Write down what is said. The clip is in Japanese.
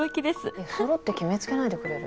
いやソロって決めつけないでくれる？